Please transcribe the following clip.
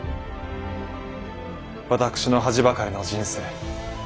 私の恥ばかりの人生